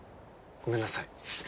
ごめんなさい。